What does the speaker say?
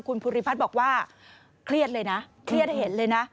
คุณภูริพัฒน์บอกว่าเครียดเลยนะเครียดเห็นเลยนะ